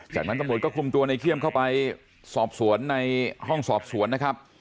จากนั้นตำรวจก็คุมตัวในเขี้ยมเข้าไปสอบสวนในห้องสอบสวนนะครับ